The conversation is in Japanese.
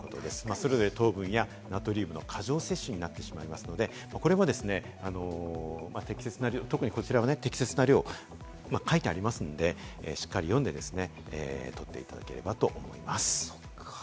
それぞれ糖分、ナトリウムの過剰摂取になってしまいますのでこれも適切な量、特にこちらは適切な量を書いてありますので、しっかり読んで、摂っていただければと思います。